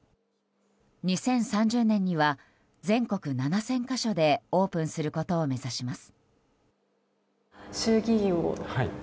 ２０３０年には全国７０００か所でオープンすることを目指します。